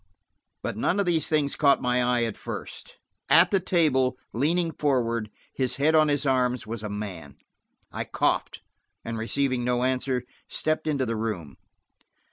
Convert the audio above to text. But none of these things caught my eye at first. At the table, leaning forward, his head on his arms, was a man. I coughed, and receiving no answer, stepped into the room.